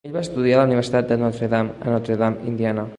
Ell va estudiar a la universitat de Notre Dame, a Notre Dame (Indiana).